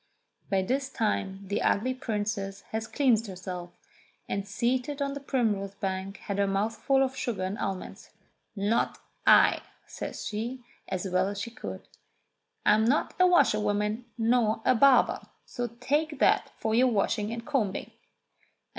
By this time the ugly princess had cleansed herself, and seated on the primrose bank had her mouth full of sugar and almonds. "Not I," says she as well as she could. "I'm not a washerwoman nor a barber. So take that for your washing and combing."